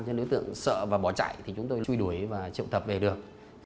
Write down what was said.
cho nên đối tượng sợ và bỏ chạy thì chúng tôi truy đuổi và triệu tập về được